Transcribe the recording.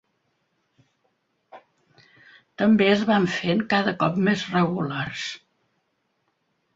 També es van fent cada cop més regulars.